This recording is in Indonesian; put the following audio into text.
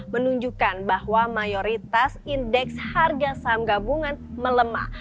menunjukkan bahwa mayoritas indeks harga saham gabungan melemah